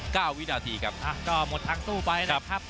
วินาทีครับอ่ะก็หมดทางสู้ไปนะครับ